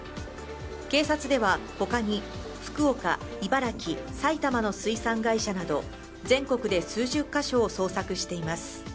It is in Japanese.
警察では他に福岡、茨城、埼玉の水産会社など全国で数十か所を捜索しています。